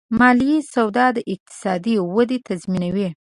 مالي سواد د اقتصادي ودې تضمینوي.